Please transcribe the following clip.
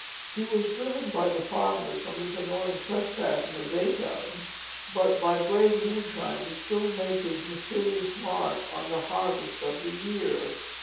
He was driven by the farmers from this annoying trespass in the daytime, but "by brave moonshine" could still make his mysterious mark on the harvest of the year.